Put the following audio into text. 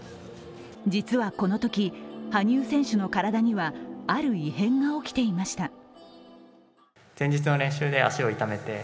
実はこのとき、羽生選手の体にはある異変が起きていました。